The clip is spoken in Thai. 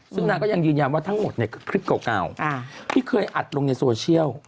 ซึ่งนางก็ยังยืนยันว่าทั้งหมดเนี่ยคือคลิปเก่าที่เคยอัดลงในโซเชียล